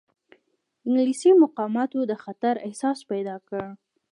انګلیسي مقاماتو د خطر احساس پیدا کړ.